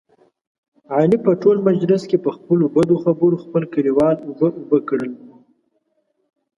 علي په ټول مجلس کې، په خپلو بدو خبرو خپل کلیوال اوبه اوبه کړل.